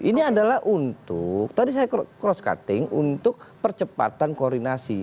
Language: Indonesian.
ini adalah untuk tadi saya cross cutting untuk percepatan koordinasi